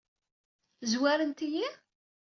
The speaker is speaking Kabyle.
Zwarent-iyi?